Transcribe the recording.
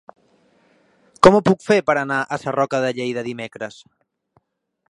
Com ho puc fer per anar a Sarroca de Lleida dimecres?